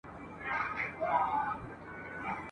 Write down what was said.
اقبال خان په جګړه کي تر زوی زیات تکړه وو.